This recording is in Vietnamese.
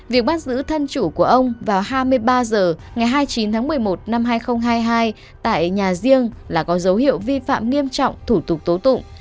việc bắt giữ thân chủ của ông vào hai mươi ba h ngày hai mươi chín tháng một mươi một năm hai nghìn hai mươi hai tại nhà riêng là có dấu hiệu vi phạm nghiêm trọng thủ tục tố tụng